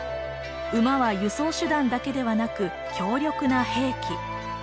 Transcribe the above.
馬は輸送手段だけではなく強力な兵器。